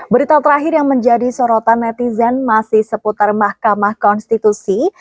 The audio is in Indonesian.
berita terakhir yang menjadi sorotan netizen masih seputar mahkamah konstitusi